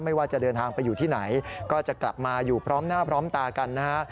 ว่าจะเดินทางไปอยู่ที่ไหนก็จะกลับมาอยู่พร้อมหน้าพร้อมตากันนะฮะ